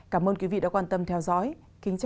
cảm ơn quý vị đã quan tâm theo dõi kính chào và hẹn gặp lại